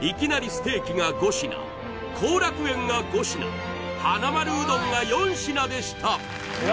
ステーキが５品幸楽苑が５品はなまるうどんが４品でしたうわ